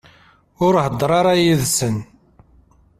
Ur heddeṛ ara yid-sen.